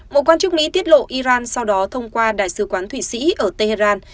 một quan chức mỹ tiết lộ iran sau đó thông qua đại sứ quán thụy sĩ ở tehran